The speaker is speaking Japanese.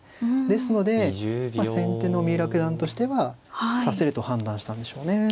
ですので先手の三浦九段としては指せると判断したんでしょうね。